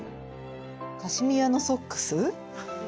カシミヤのソックス。